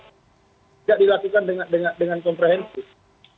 tidak dilakukan dengan komprehensif